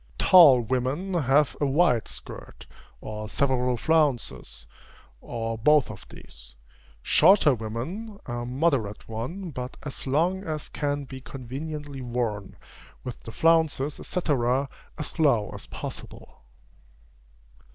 Tall women have a wide skirt, or several flounces, or both of these: shorter women, a moderate one, but as long as can be conveniently worn, with the flounces, &c., as low as possible.